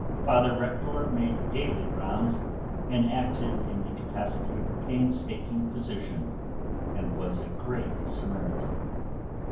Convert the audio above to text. Father Rektor made daily rounds and acted in the capacity of a painstaking physician and was a great Samaritan.